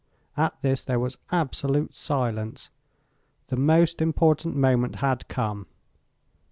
At this there was absolute silence. The most important moment had come.